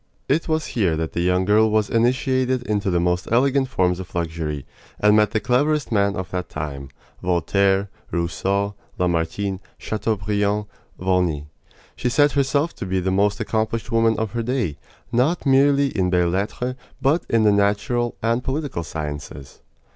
It was here that the young girl was initiated into the most elegant forms of luxury, and met the cleverest men of that time Voltaire, Rousseau, Lamartine, Chateaubriand, Volney. She set herself to be the most accomplished woman of her day, not merely in belles lettres, but in the natural and political sciences.